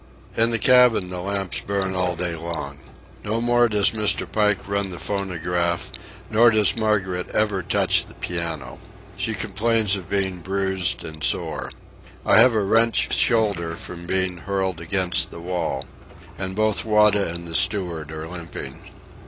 In the cabin the lamps burn all day long. No more does Mr. Pike run the phonograph, nor does Margaret ever touch the piano. She complains of being bruised and sore. I have a wrenched shoulder from being hurled against the wall. And both Wada and the steward are limping.